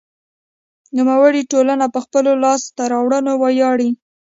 نوموړې ټولنه په خپلو لاسته راوړنو ویاړي.